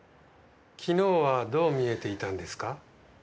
昨日はどう見えていたんですか？